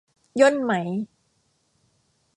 ย่นไหม